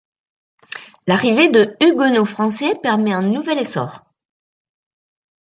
L'arrivée de huguenots français permet un nouvel essor.